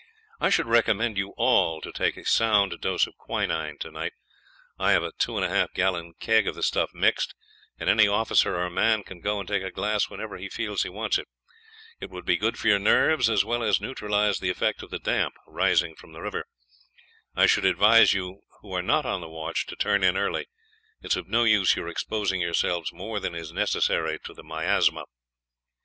I should recommend you all to take a sound dose of quinine tonight; I have a two and a half gallon keg of the stuff mixed, and any officer or man can go and take a glass whenever he feels he wants it. It would be good for your nerves, as well as neutralize the effect of the damp rising from the river. I should advise you who are not on the watch to turn in early; it is of no use your exposing yourselves more than is necessary to the miasma."